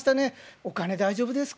お金大丈夫ですか？